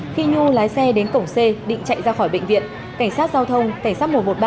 khi nhu lái xe đến cổng c định chạy ra khỏi bệnh viện cảnh sát giao thông cảnh sát một trăm một mươi ba